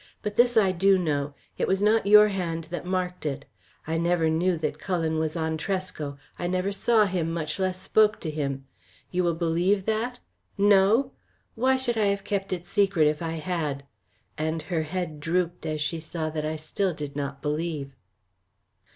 "But this I do know, it was not your hand that marked it. I never knew that Cullen was on Tresco. I never saw him, much less spoke to him. You will believe that? No! Why should I have kept it secret if I had?" and her head drooped as she saw that still I did not believe.